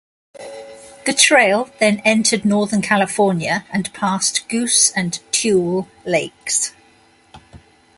The trail then entered northern California and passed Goose and Tule lakes.